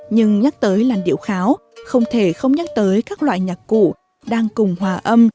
nhưng nhắc tới làn điệu khấu không thể không nhắc tới các loại nhạc cụ đang cùng hòa âm